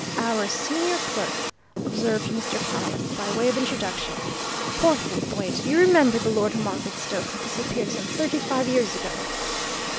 "Our senior clerk," observed Mr. Carless, by way of introduction. "Portlethwaite, you remember the Lord Marketstoke who disappeared some thirty five years ago?"